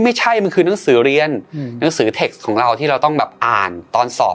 ไม่ใช่มันคือหนังสือเรียนหนังสือเทคของเราที่เราต้องแบบอ่านตอนสอบ